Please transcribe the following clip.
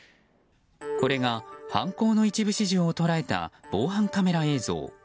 これが犯行の一部始終を捉えた防犯カメラ映像。